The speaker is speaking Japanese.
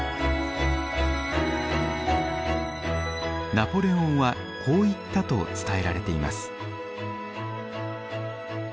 ナポレオンはこう言ったと伝えられています。